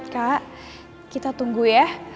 kak kita tunggu ya